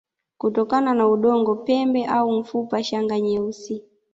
kutokana na udongo pembe au mfupa Shanga nyeusi